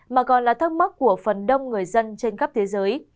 mà còn là thắc mắc của phần đông người dân trên khắp thế giới